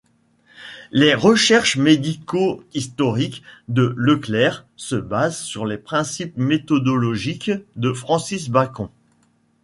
Les recherches médico-historiques de Leclerc se basent sur les principes méthodologiques de Francis Bacon.